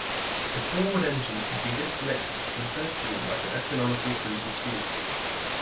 The forward engines could be disconnected to conserve fuel at an economical cruising speed.